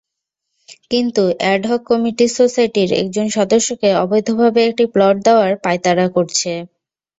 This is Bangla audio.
কিন্তু অ্যাডহক কমিটি সোসাইটির একজন সদস্যকে অবৈধভাবে একটি প্লট দেওয়ার পাঁয়তারা করছে।